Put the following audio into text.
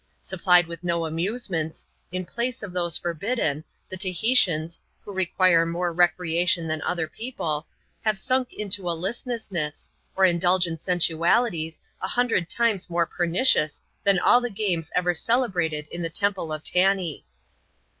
Supplied with no amuse ments, in place of those forbidden, the Tahitians^ who require more recreation than other people, have sunk into a listlesf new^ or indulge in sensualities, a hundred times more peraicioiis than all die games ever celebrated in the Temple of Taaee.